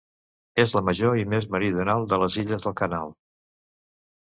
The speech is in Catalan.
És la major i més meridional de les illes del Canal.